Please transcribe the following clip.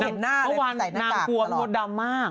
เมื่อวานนายกลัวพี่พี่โรดำมาก